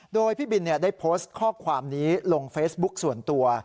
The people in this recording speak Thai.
โดยพี่บินได้โพสต์ข้อความนี้ลงเฟซบุ๊กส่วนตัว